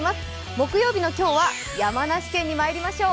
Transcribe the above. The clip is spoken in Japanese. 木曜日の今日は山梨県にまいりましょう。